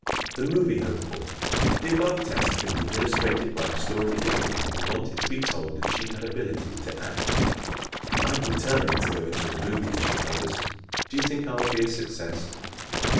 The Movie Hopeful ¶ The above test can best be illustrated by the story of a young woman who wanted to be told that she had ability to act. "I am determined to go into the movies," she told us. "Do you think I would be a success?"